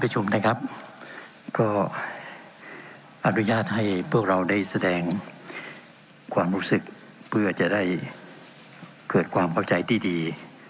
ให้แสดงความรู้สึกเพื่อจะได้เกิดความเข้าใจดี